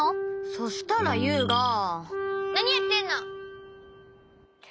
そしたらユウがなにやってんの！って。